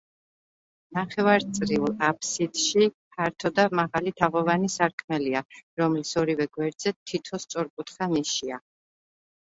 ნახევარწრიულ აფსიდში ფართო და მაღალი თაღოვანი სარკმელია, რომლის ორივე გვერდზე თითო სწორკუთხა ნიშია.